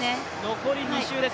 残り２周です。